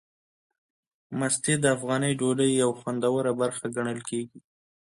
مستې د افغاني ډوډۍ یوه خوندوره برخه ګڼل کېږي.